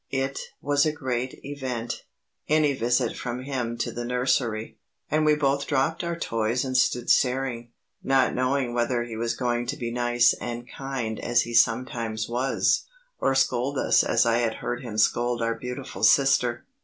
It was a great event any visit from him to the nursery and we both dropped our toys and stood staring, not knowing whether he was going to be nice and kind as he sometimes was, or scold us as I had heard him scold our beautiful sister.